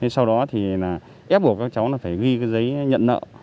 sau đó thì ép bộ các cháu phải ghi giấy nhận nợ